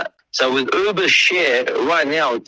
tapi semua orang terlalu takut